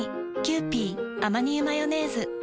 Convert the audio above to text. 「キユーピーアマニ油マヨネーズ」